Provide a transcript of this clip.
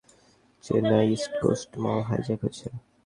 আপনাকে জানানো হচ্ছে যে, চেন্নাইয়ের ইস্ট কোস্ট মল হাইজ্যাক হয়েছে।